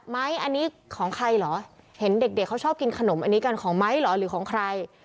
ไหมอันนี้ของใครเหรอเห็นเด็กเขาชอบกินขนมอันนี้กันของไม้เหรอหรือของใคร